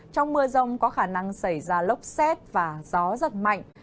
trong mưa rông có khả năng xảy ra lốc xét và gió giật mạnh